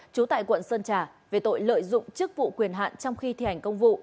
trú tại quận sơn trà về tội lợi dụng chức vụ quyền hạn trong khi thi hành công vụ